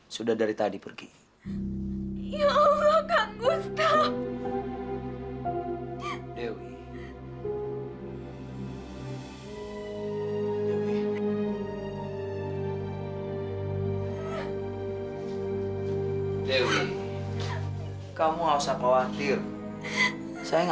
sudah lama sekali wi lama sekali